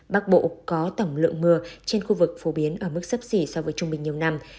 bắc bộ có tổng lượng mưa trên khu vực phổ biến ở mức sấp xỉ so với trung bình nhiều năm